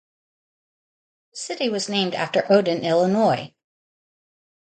The city was named after Odin, Illinois.